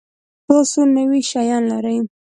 تاسو نوي شیان لرئ؟